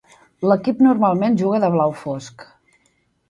L'equip normalment juga de blau fosc.